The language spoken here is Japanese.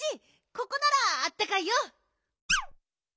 ここならあったかいよ。